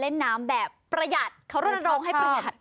แต่ประหยัดเขารู้สึกให้ประหยัด